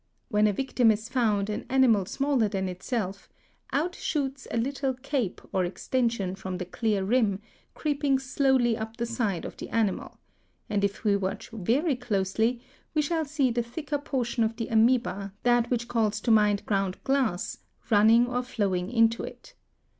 When a victim is found, an animal smaller than itself, out shoots a little cape or extension from the clear rim, creeping slowly up the side of the animal; and if we watch very closely, we shall see the thicker portion of the Amœba, that which calls to mind ground glass, running or flowing into it.